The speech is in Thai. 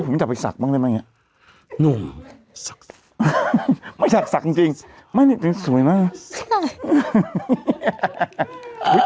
มันจะไปสักบ้างได้ไหมเนี้ยหนูไม่สักสักจริงจริงไม่นี่เป็นสวยมาก